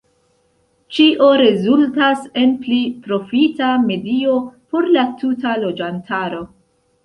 Ĉio rezultas en pli profita medio por la tuta loĝantaro.